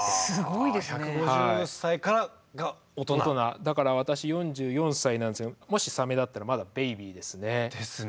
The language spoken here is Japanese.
だから私４４歳なんですけどもしサメだったらまだベイビーですね。ですね！